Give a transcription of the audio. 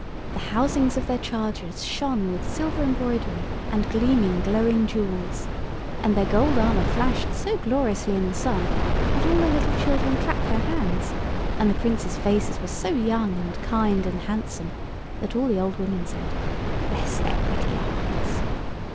The housings of their chargers shone with silver embroidery and gleaming glowing jewels, and their gold armour flashed so gloriously in the sun that all the little children clapped their hands, and the Princes' faces were so young and kind and handsome that all the old women said: "Bless their pretty hearts!"